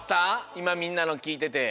いまみんなのきいてて。